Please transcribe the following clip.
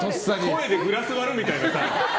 声でグラス割るみたいなさ。